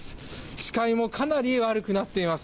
視界もかなり悪くなっています。